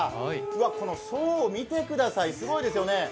この層、見てください、すごいですよね。